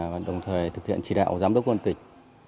và đồng thời thực hiện trị đạo giám đốc quân tịch